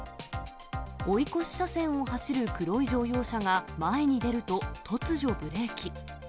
追い越し車線を走る黒い乗用車が前に出ると、突如ブレーキ。